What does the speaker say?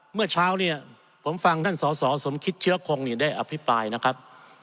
เมื่อเช้าเนี่ยผมฟังท่านสอสอสมคิดเชื้อคงได้อภิปรายนะครับ